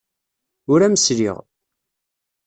Ur am-sliɣ.